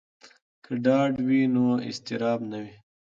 که ډاډ وي نو اضطراب نه وي.